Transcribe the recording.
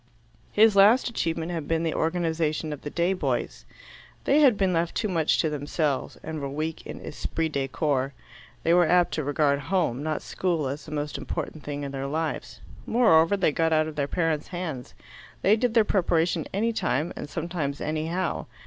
His last achievement had been the organization of the day boys. They had been left too much to themselves, and were weak in esprit de corps; they were apt to regard home, not school, as the most important thing in their lives. Moreover, they got out of their parents' hands; they did their preparation any time and some times anyhow.